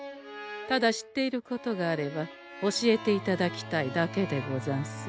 ただ知っていることがあれば教えていただきたいだけでござんす。